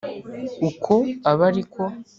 uko abe ari ko